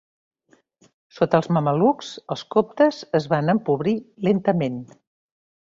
Sota els mamelucs, els coptes es van empobrir lentament.